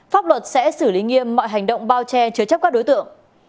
pháp luật sẽ xử lý nghiêm mọi hành động bao che chứa chấp các đối tượng